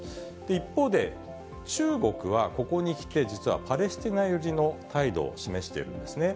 一方で、中国はここにきて、実はパレスチナ寄りの態度を示しているんですね。